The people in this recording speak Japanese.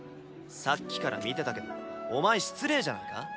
さっきから見てたけどお前失礼じゃないか？